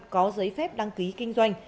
có giấy phép đăng ký kinh doanh